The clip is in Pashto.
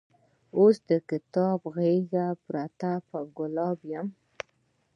اوس دکتاب غیز کې پروت ګلاب یمه